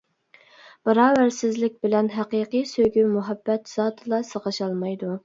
باراۋەرسىزلىك بىلەن ھەقىقىي سۆيگۈ-مۇھەببەت زادىلا سىغىشالمايدۇ.